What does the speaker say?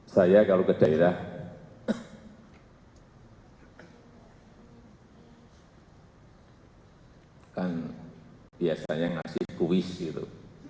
saya kalau ke daerah kan biasanya ngasih kuis gitu